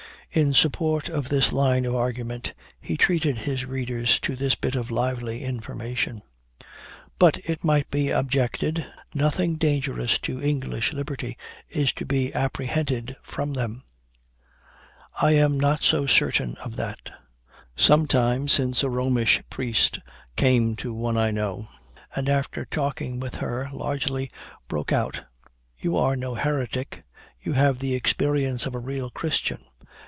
In support of this line of argument, he treated his readers to this bit of lively information: "But it might be objected, 'nothing dangerous to English liberty is to be apprehended from them.' I am not so certain of that. Some time since a Romish priest came to one I know, and after talking with her largely, broke out, 'You are no heretic; you have the experience of a real Christian.'